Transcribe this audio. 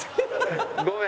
ごめん。